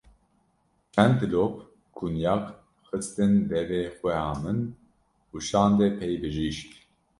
Çend dilop kunyak xistin devê xweha min û şande pey bijîşk.